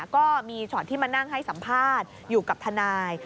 ก็มีช็อตที่มานั่งให้สัมภาษณ์อยู่กับทนาย